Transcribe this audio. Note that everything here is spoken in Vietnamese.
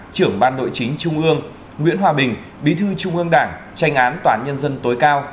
trưởng ban nội chính trung ương nguyễn hòa bình bí thư trung ương đảng tranh án toán nhân dân tối cao